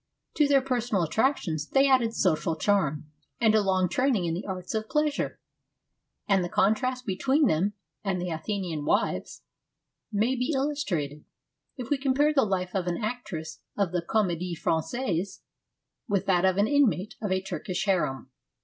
To their per sonal attractions they added social charm and a long training in the arts of pleasure, and the contrast between them and the Athenian wives may be illustrated if we compare the life of an actress of the Comedie Frangaise with that of an inmate of a, Turkish harem.